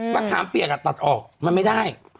มะคร้ามเปียงอะตัดออกมันไม่ได้